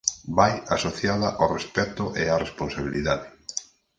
Vai asociada ó respecto e á responsabilidade.